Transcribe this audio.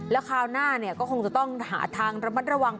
แล้วคราวหน้าก็คงจะต้องหาทางระมัดระวัง